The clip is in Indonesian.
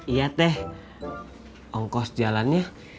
iya teh ongkos jalannya